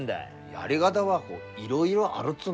やり方はいろいろあるっつうんだ。